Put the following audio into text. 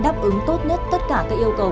đáp ứng tốt nhất tất cả các yêu cầu